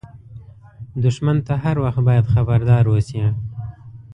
دښمن ته هر وخت باید خبردار اوسې